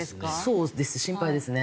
そうです心配ですね。